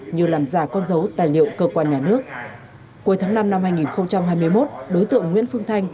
như làm giả con dấu tài liệu cơ quan nhà nước cuối tháng năm năm hai nghìn hai mươi một đối tượng nguyễn phương thanh